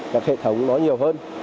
đặt hệ thống nó nhiều hơn